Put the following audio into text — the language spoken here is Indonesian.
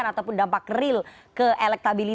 support biden oke itu hasil